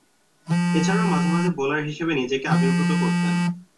এছাড়াও মাঝে-মধ্যে বোলার হিসেবে নিজেকে আবির্ভূত করতেন।